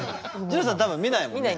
二朗さん多分見ないもんね。